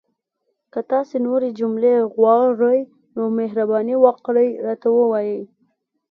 که تاسو نورې جملې غواړئ، نو مهرباني وکړئ راته ووایئ!